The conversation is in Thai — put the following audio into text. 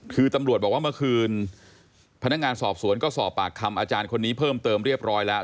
คือตำรวจบอกว่าเมื่อคืนพนักงานสอบสวนก็สอบปากคำอาจารย์คนนี้เพิ่มเติมเรียบร้อยแล้ว